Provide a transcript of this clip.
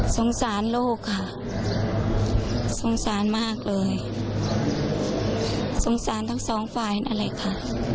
สงสารลูกค่ะสงสารมากเลยสงสารทั้งสองฝ่ายนั่นแหละค่ะ